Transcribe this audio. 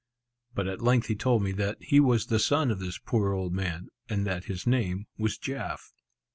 But at length he told me that he was the son of this poor old man, and that his name was Jaf.